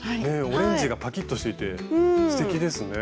オレンジがパキッとしていてすてきですね。